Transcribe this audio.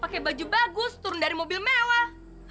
pakai baju bagus turun dari mobil mewah